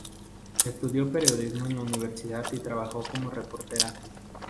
Estudió Periodismo en la universidad y trabajó cómo reportera.